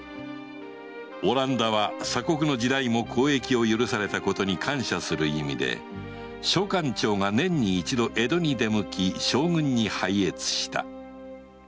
オランダは鎖国の時代も交易を許されたことに感謝する意味で商館長が年に一度江戸に出向き将軍に拝謁した